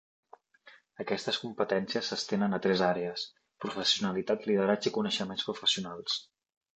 Aquestes competències s'estenen a tres àrees: professionalitat, lideratge i coneixements professionals.